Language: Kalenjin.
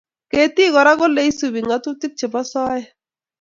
Ketiik kora kole isupi ng'atutiik chebo soeet.